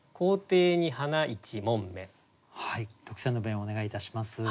特選の弁をお願いいたします。